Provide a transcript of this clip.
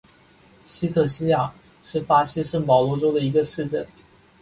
卢特西亚是巴西圣保罗州的一个市镇。